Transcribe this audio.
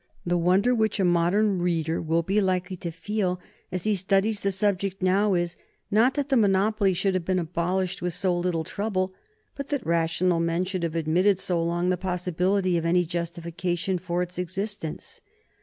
The wonder which a modern reader will be likely to feel as he studies the subject now is, not that the monopoly should have been abolished with so little trouble, but that rational men should have admitted so long the possibility of any justification for its existence.